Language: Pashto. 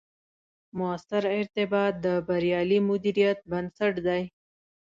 مؤثر ارتباط، د بریالي مدیریت بنسټ دی